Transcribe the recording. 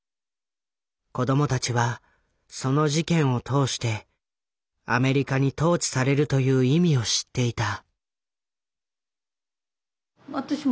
子どもたちはその事件を通してアメリカに統治されるという意味を知っていた。